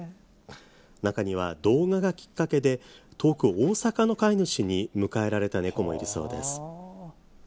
中には動画がきっかけで遠く大阪の飼い主に迎えられた猫もいるそうです。